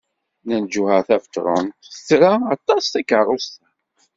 Nna Lǧuheṛ Tabetṛunt tra aṭas takeṛṛust-a.